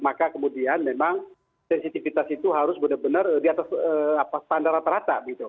maka kemudian memang sensitivitas itu harus benar benar di atas standar rata rata